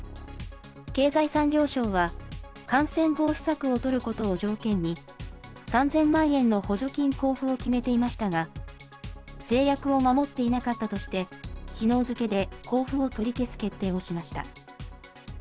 経済産業省は、感染防止策を取ることを条件に、３０００万円の補助金交付を決めていましたが、誓約を守っていなかったとして、きのう付けで交付を取り消す決定をしました。